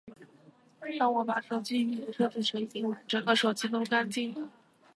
当我把手机语言设置成英文，整个手机都干净了